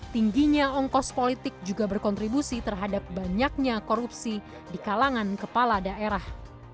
tingginya ongkos politik juga berkontribusi terhadap banyaknya korupsi di kalangan kepala daerah